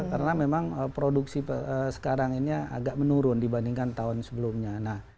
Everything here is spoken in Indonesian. karena memang produksi sekarang ini agak menurun dibandingkan tahun sebelumnya